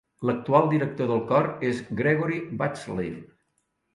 L'actual director del cor és Gregory Batsleer.